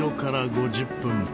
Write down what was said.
５０分